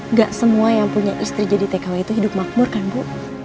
nggak semua yang punya istri jadi tkw itu hidup makmur kan bu